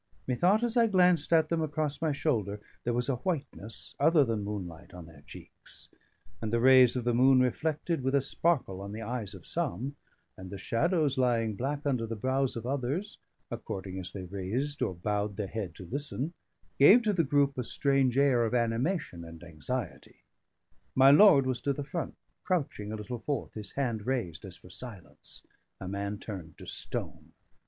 Methought, as I glanced at them across my shoulder, there was a whiteness, other than moonlight, on their cheeks; and the rays of the moon reflected with a sparkle on the eyes of some, and the shadows lying black under the brows of others (according as they raised or bowed the head to listen) gave to the group a strange air of animation and anxiety. My lord was to the front, crouching a little forth, his hand raised as for silence: a man turned to stone.